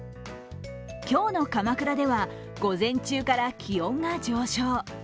今日の鎌倉では、午前中から気温が上昇。